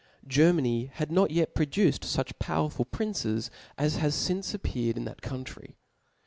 Germany had not yet produced fuch powerful princes as have lince appeared in that country.